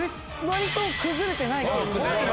割と崩れてない。